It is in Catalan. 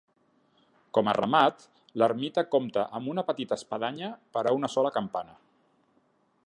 Com a remat, l'ermita compta amb una petita espadanya per a una sola campana.